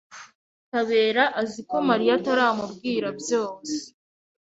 Kabera azi ko Mariya ataramubwira byose.